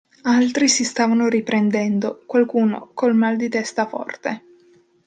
Altri si stavano riprendendo, qualcuno col mal di testa forte.